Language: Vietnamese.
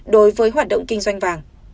đối với hoạt động kinh doanh vàng